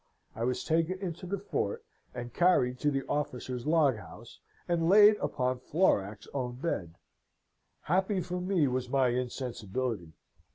I was taken into the fort, and carried to the officer's log house, and laid upon Florac's own bed. "Happy for me was my insensibility.